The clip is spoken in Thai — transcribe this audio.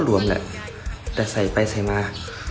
รวมแหละแต่ใส่ไปใส่มา